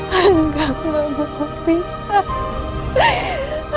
hingga kamu berpisah